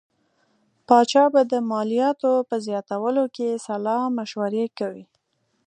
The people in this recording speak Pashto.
پاچا به د مالیاتو په زیاتولو کې سلا مشورې کوي.